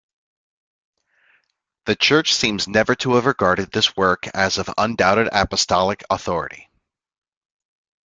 The Church seems never to have regarded this work as of undoubted Apostolic authority.